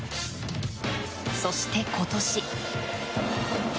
そして今年。